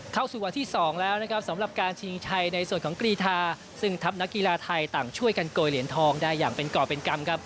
เข้าสู่วันที่๒แล้วนะครับสำหรับการชิงชัยในส่วนของกรีธาซึ่งทัพนักกีฬาไทยต่างช่วยกันโกยเหรียญทองได้อย่างเป็นก่อเป็นกรรมครับ